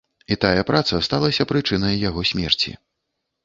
І тая праца сталася прычынай яго смерці.